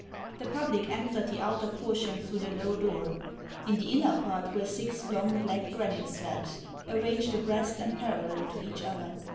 The public entered the outer portion through the low door ; in the inner part were six long black granite slabs, arranged abreast and parallel to each other.